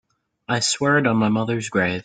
I swear it on my mother's grave.